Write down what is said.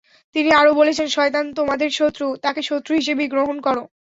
তিনি আরও বলেছেন, শয়তান তোমাদের শত্রু, তাকে শত্রু হিসেবেই গ্রহণ করো।